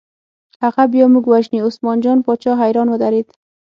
هغه بیا موږ وژني، عثمان جان باچا حیران ودرېد.